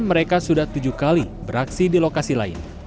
mereka sudah tujuh kali beraksi di lokasi lain